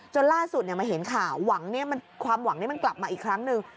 ล่าสุดมาเห็นข่าวหวังความหวังนี้มันกลับมาอีกครั้งหนึ่ง